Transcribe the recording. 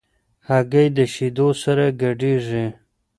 هګۍ د شیدو سره ګډېږي.